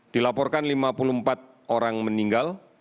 dilaporkan lima puluh empat orang meninggal